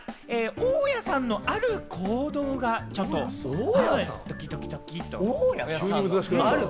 大家さんのある行動がちょっとドキドキドキッと。